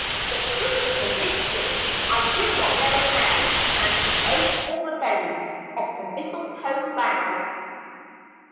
But Christopher reached it, I do not know how, And he ate all the berries off the misdetoe bough.